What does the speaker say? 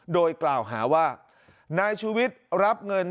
โดยกล่าวหาว่านายชูวิทย์รับเงิน